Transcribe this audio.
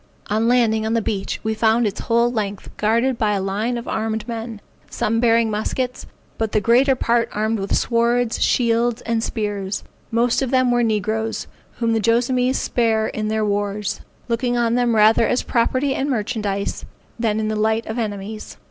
On landing on the beach, we found its whole length guarded by a line of armed men, some bearing muskets, but the greater part armed with swords, shields, and spears; most of them were negroes, whom the Joassamees spare in their wars, looking on them rather as property and merchandise, than in the light of enemies.